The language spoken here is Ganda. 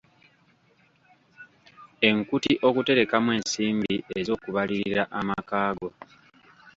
Enkuti okuterekamu ensimbi ez’okulabirira amaka ago.